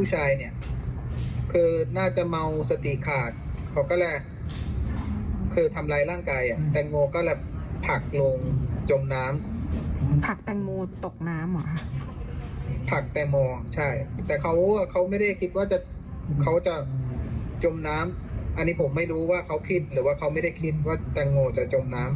จมน้ำอันนี้ผมไม่รู้ว่าเขาคิดหรือว่าเขาไม่ได้คิดว่าแตงโมจะจมน้ำ